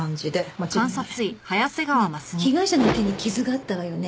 ねえ被害者の手に傷があったわよね？